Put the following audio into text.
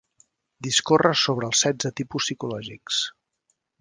Discorre sobre els setze tipus psicològics.